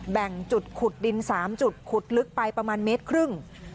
แบ่งจุดขุดดิน๓จุดขุดลึกไปประมาณเมตรครึ่ง